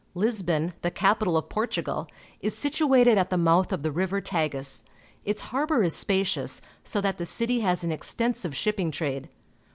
Lisbon, the capital of Portugal, is situated at the mouth of the river Tagus. Its harbour is spacious, so that the city has an extensive shipping trade.